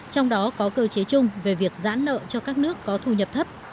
trong đó có cơ chế chung về việc giãn nợ cho các nước có thu nhập thấp